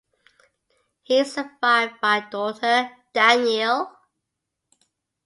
He is survived by daughter, Danielle.